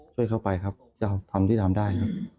ช่วยเขาไปครับจะทำที่ทำได้